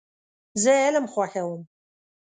زه علم خوښوم .